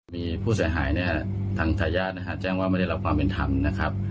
มีผู้เสียหายเนี่ยทางทายาทนะฮะแจ้งว่าไม่ได้รับความเป็นธรรมนะครับ